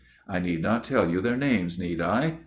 I need not tell you their names, need I?